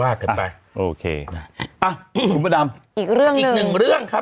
นะครับอืมว่าเกินไปโอเคอ่ะอีกเรื่องหนึ่งอีกหนึ่งเรื่องครับ